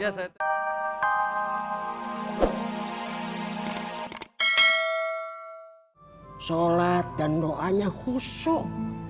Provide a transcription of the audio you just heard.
sholat dan doanya khusyuk